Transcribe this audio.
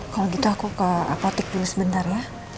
kalau gitu aku ke apotik dulu sebentar ya